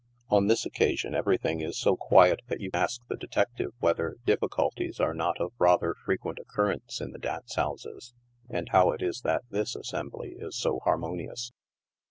On this occasion everything is so quiet that yon ask the 32 NIGHT SIDE OF NEW YORK. detective whether " difficulties" are not of rather frequent occur rence in the dance houses, and how it is that this assembly is so harmonious